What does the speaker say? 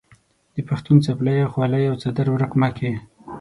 د پښتون څپلۍ، خولۍ او څادر ورک مه کې.